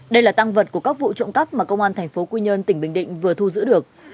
đây là tăng vật của các vụ trộm cắp mà công an thành phố quy nhơn tỉnh bình định vừa thu giữ được